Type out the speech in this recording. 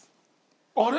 あれ？